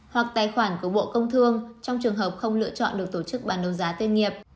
hoặc tài khoản của bộ công thương trong trường hợp không lựa chọn được tổ chức bán đấu giá tên nghiệp